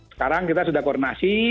sekarang kita sudah koordinasi